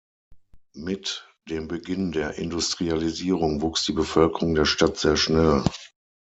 Mit dem Beginn der Industrialisierung wuchs die Bevölkerung der Stadt sehr schnell.